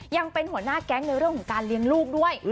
ยังเป็นหัวหน้าแก๊งในเรื่องของการเลี้ยงลูกด้วย